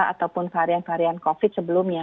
ataupun varian varian covid sebelumnya